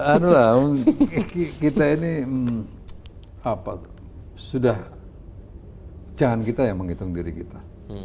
anu lah kita ini apa tuh sudah jangan kita yang menghitung diri kita